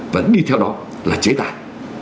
và đi theo đó là chế tài